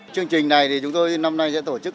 chương trình này thì chúng tôi năm nay sẽ tổ chức